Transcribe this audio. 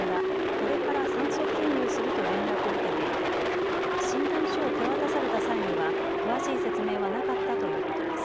これから酸素吸入すると連絡を受けていて診断書を手渡された際には詳しい説明はなかったということです。